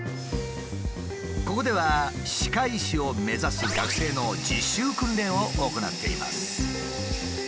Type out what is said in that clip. ここでは歯科医師を目指す学生の実習訓練を行っています。